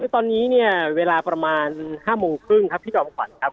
ตอนนี้เนี่ยเวลาประมาณ๕โมงครึ่งครับพี่จอมขวัญครับ